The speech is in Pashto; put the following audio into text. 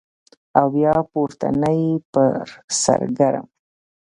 او بیا پوړنی پر سرکړم